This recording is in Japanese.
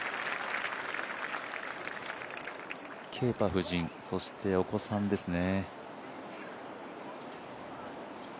夫人、そしてお子さんですね。